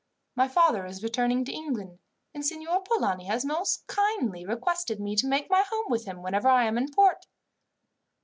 My father is returning to England, and Signor Polani has most kindly requested me to make my home with him whenever I am in port."